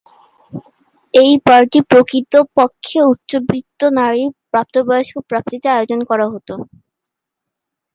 এই পার্টি প্রকৃতপক্ষে উচ্চবিত্ত নারীর প্রাপ্তবয়স্ক প্রাপ্তিতে আয়োজন করা হত।